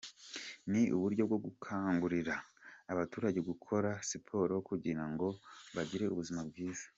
Ni uburyo bwo gukangurira abaturage gukora siporo kugira ngo bagire ubuzima bwiza.